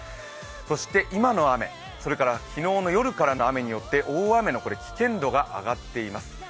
今の雨、それから昨日の夜からの雨によって大雨の危険度が上がっています。